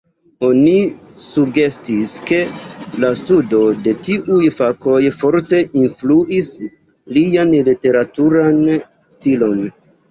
Oni sugestis ke la studo de tiuj fakoj forte influis lian literaturan stilon.